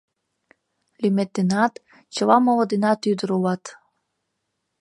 Лӱмет денат, чыла моло денат ӱдыр улат!